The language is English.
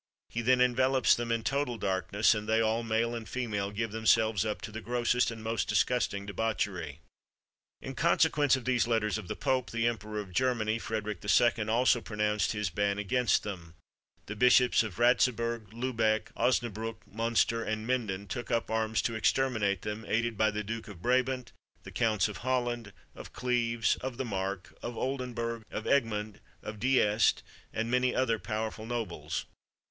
He then envelopes them in total darkness, and they all, male and female, give themselves up to the grossest and most disgusting debauchery." In consequence of these letters of the pope, the emperor of Germany, Frederic II., also pronounced his ban against them. The Bishops of Ratzebourg, Lubeck, Osnabrück, Munster, and Minden took up arms to exterminate them, aided by the Duke of Brabant, the Counts of Holland, of Clêves, of the Mark, of Oldenburg, of Egmond, of Diest, and many other powerful nobles.